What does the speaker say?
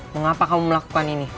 mengapa kamu melakukan ini